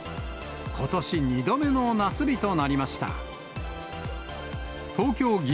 ことし２度目の夏日となりました。